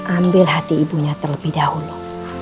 ambil hati ibunya terlebih dahulu